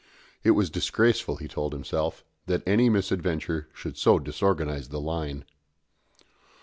It was disgraceful, he told himself, that any misadventure should so disorganise the line.